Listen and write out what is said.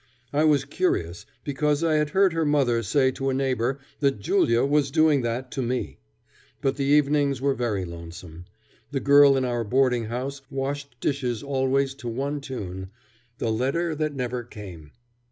I was curious because I had heard her mother say to a neighbor that Julia was doing that to me. But the evenings were very lonesome. The girl in our boarding house washed dishes always to one tune, "The Letter that Never Came."